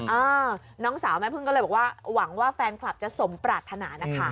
เออน้องสาวแม่พึ่งก็เลยบอกว่าหวังว่าแฟนคลับจะสมปรารถนานะคะ